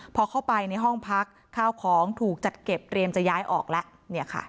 พอเข้าไปในห้องพักข้าวของถูกจัดเก็บเตรียมจะย้ายออกแล้ว